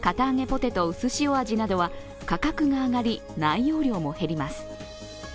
ポテトうすしお味などは価格が上がり内容量も減ります。